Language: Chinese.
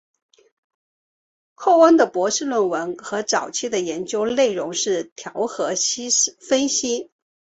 寇恩的博士论文和早期的研究内容是调和分析。